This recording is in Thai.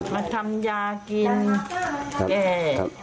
มาทำยากินแก้